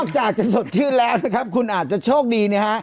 จากจะสดชื่นแล้วนะครับคุณอาจจะโชคดีนะฮะ